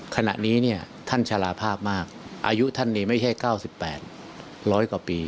ขณะนี้เนี่ยท่านชะลาภาพมากอายุท่านนี้ไม่ใช่๙๘๐๐กว่าปี